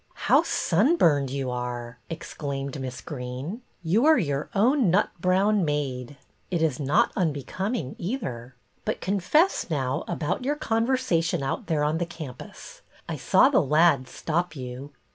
"How sunburned you are!" exclaimed Miss Greene. "You are your own 'nut brown maid.' It is not unbecoming, either. But confess, now, about your conversation out there on the campus. I saw the lad stop you."